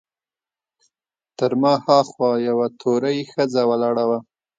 تر ما هاخوا یوه تورۍ ښځه ولاړه وه.